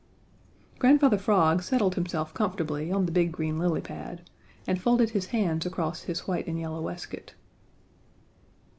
Grandfather Frog settled himself comfortably on the big green lily pad and folded his hands across his white and yellow waistcoat.